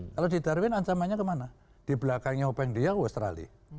kalau di darwin ancamannya kemana di belakangnya open dia ke australia